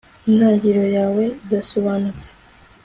Intangiriro yawe idasobanutse